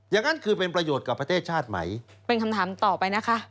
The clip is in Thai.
อย่างนั้นคือเป็นประโยชน์กับประเทศชาติไหมเป็นคำถามต่อไปนะคะ